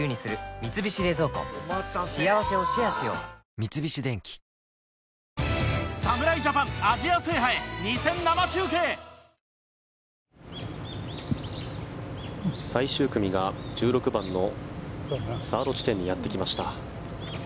三菱電機最終組が１６番のサード地点にやってきました。